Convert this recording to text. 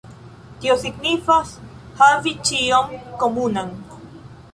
Tio signifas: havi ĉion komunan.